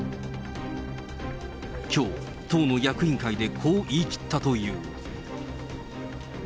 きょう、党の役員会でこう言い切ったという。